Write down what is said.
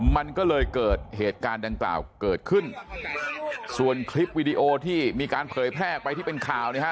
มันก็เลยเกิดเหตุการณ์ดังกล่าวเกิดขึ้นส่วนคลิปวิดีโอที่มีการเผยแพร่ไปที่เป็นข่าวนะฮะ